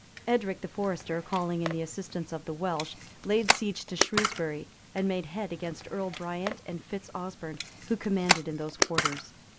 ] Edric the Forester, calling in the assistance of the Welsh, laid siege to Shrewsbury, and made head against Earl Brient and Fitz Osberne, who commanded in those quarters.